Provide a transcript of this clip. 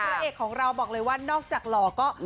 พระเอกของเราบอกเลยว่านอกจากหล่อก็